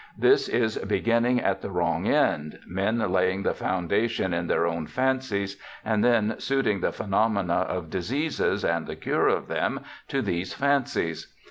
This is beginning at the wrong end, men laying the foundation in their own fancies, and then suiting the phenomena of diseases, and the cure of them, to these fancies.